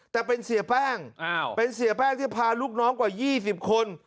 แต่เป็นเสียแป้งเป็นเสียแป้งที่พาลูกน้องกว่า๒๐คน